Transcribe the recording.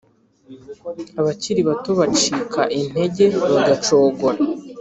Abakiri bato bacika intege, bagacogora,